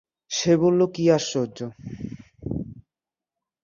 সে বলল, কি আশ্চর্য!